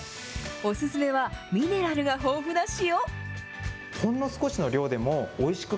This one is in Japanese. お勧めはミネラルが豊富な塩。